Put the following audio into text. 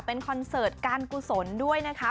เป็นคอนเสิร์ตการกุศลด้วยนะคะ